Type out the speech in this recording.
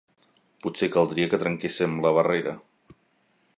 Potser caldria que trenquéssem la barrera.